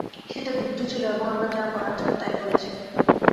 সেটা যুদ্ধ ছিল, এবং আমার যা করার ছিল তাই করেছি।